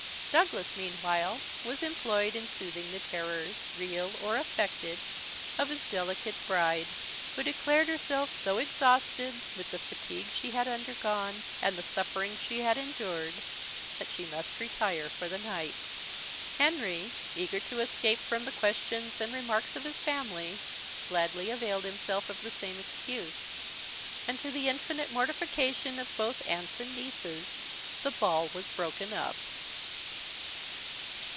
Douglas, meanwhile, was employed in soothing the terrors, real or affected, of his delicate bride, who declared herself so exhausted with the fatigue she had undergone, and the sufferings she had endured, that she must retire for the night. Henry, eager to escape from the questions and remarks of his family, gladly availed himself of the same excuse; and, to the infinite mortification of both aunts and nieces, the ball was broken up.